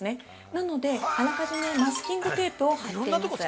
なので、あらかじめマスキングテープを貼っています。